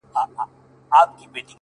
دغه نجلۍ نن و هيندارې ته موسکا ورکوي’